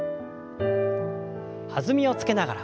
弾みをつけながら。